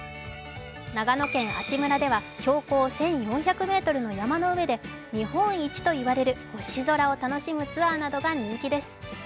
長野県阿智村では標高１４００ｍの山の上で日本一といわれる星空を楽しむツアーなどが人気です。